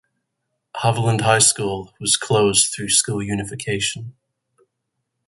Haviland High School was closed through school unification.